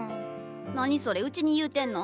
何それウチに言うてんの？